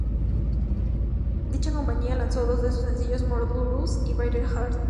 Dicha compañía lanzó dos de sus sencillos: "More to Lose" y "Bitter Heart".